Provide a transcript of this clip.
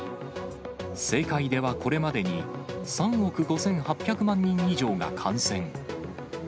世界ではこれまでに、３億５８００万人以上が感染。